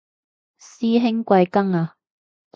師兄貴庚啊